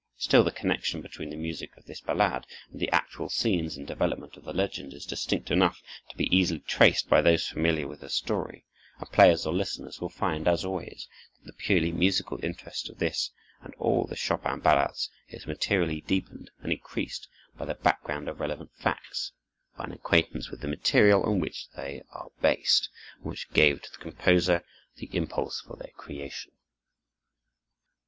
Still, the connection between the music of this ballade and the actual scenes and development of the legend is distinct enough to be easily traced by those familiar with the story, and players or listeners will find, as always, that the purely musical interest of this and all the Chopin ballades is materially deepened and increased by the background of relevant facts—by an acquaintance with the material on which they are based and which gave to the composer the impulse for their creation.